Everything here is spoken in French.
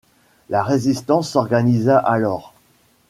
La résistance s'organisa alors.